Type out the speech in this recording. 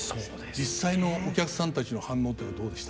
実際のお客さんたちの反応というのはどうでした？